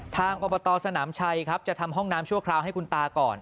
อบตสนามชัยครับจะทำห้องน้ำชั่วคราวให้คุณตาก่อน